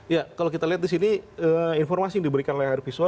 ya kalau kita lihat di sini informasi yang diberikan layar visual